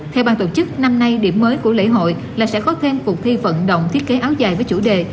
theo ban tổ chức năm nay điểm mới của lễ hội là sẽ có thêm cuộc thi vận động thiết kế áo dài với chủ đề